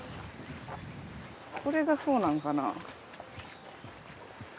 これがそうなんかな。